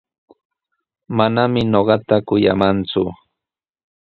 Manami ñuqata kuyamanku.